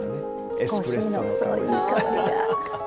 エスプレッソの香り。